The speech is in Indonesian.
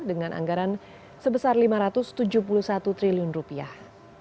dengan anggaran sebesar lima ratus tujuh puluh satu triliun rupiah